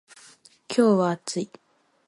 今日は暑い。